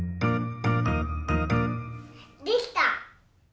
できた！